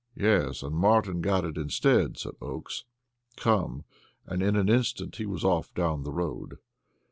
"Yes, and Martin got it instead," said Oakes. "Come!" and in an instant he was off down the road.